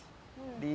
saya di atas